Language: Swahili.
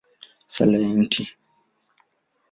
Sala kwa Mt.